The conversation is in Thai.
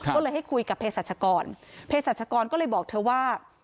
ก็เลยให้คุยกับเพศรัชกรเพศรัชกรก็เลยบอกเธอว่า